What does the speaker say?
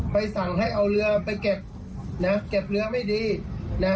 สั่งให้เอาเรือไปเก็บนะเก็บเรือไม่ดีนะ